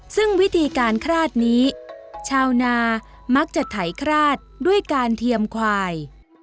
ซึ่งวิธีการคราดนี้ชาวนามักจะไถคราดด้วยการเทียมควาย